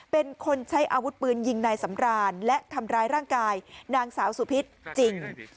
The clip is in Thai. เป็นคนใช้อาวุธปืนยิงนายสำรานและทำร้ายร่างกายนางสาวสุพิษจริง